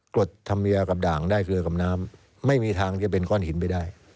กรดธรรมเนียกับด่างได้เคลือกับน้ำไม่มีทางจะเป็นก้อนหินไปได้